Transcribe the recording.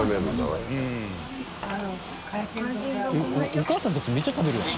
お母さんたちめっちゃ食べるやん。